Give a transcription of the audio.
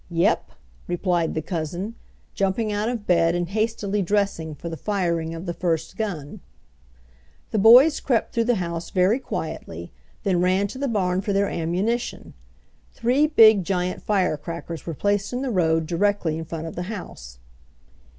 "Yep," replied the cousin, jumping out of bed and hastily dressing for the firing of the first gun. The boys crept through the house very quietly, then ran to the barn for their ammunition. Three big giant fire crackers were placed in the road directly in front of the house.